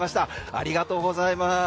ありがとうございます。